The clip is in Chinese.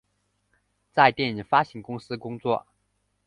在电影发行公司工作。